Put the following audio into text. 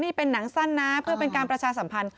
นี่เป็นหนังสั้นนะเพื่อเป็นการประชาสัมพันธ